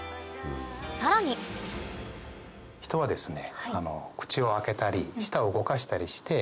さらに人はですね。